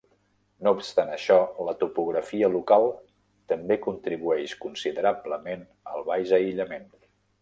No obstant això, la topografia local també contribueix considerablement al baix aïllament.